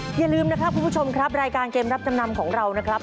อย่าลืมนะครับคุณผู้ชมครับรายการเกมรับจำนำของเรานะครับ